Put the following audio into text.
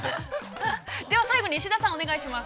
◆では最後に石田さん、お願いします。